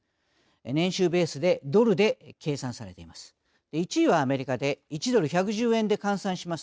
年収ベースでドルで計算されています。